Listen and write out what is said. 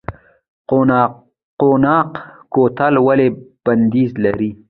قوناق کوتل ولې بندیز لري؟